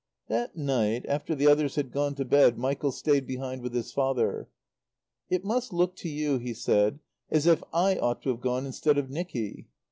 That night, after the others had gone to bed, Michael stayed behind with his father. "It must look to you," he said, "as if I ought to have gone instead of Nicky."